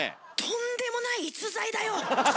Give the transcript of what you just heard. とんでもない逸材だよ！